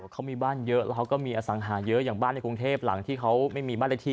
เขามีบ้านเยอะแล้วเขาก็มีอสังหาเยอะอย่างบ้านในกรุงเทพหลังที่เขาไม่มีบ้านเลขที่